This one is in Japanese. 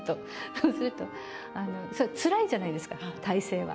そうすると、つらいじゃないですか、体勢は。